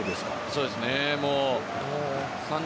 そうですね。